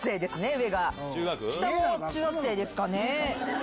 下も中学生ですかね。